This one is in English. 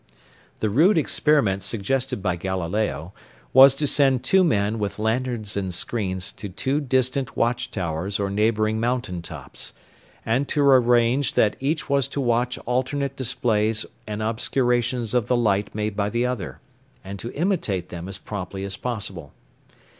The rude experiment suggested by Galileo was to send two men with lanterns and screens to two distant watch towers or neighbouring mountain tops, and to arrange that each was to watch alternate displays and obscurations of the light made by the other, and to imitate them as promptly as possible.